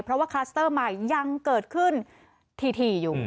เพราะว่าคลัสเตอร์ใหม่ยังเกิดขึ้นถี่อยู่